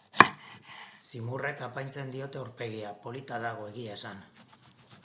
Zimurrek apaintzen diote aurpegia; polita dago, egia esan.